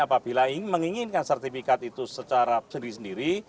apabila menginginkan sertifikat itu secara sendiri sendiri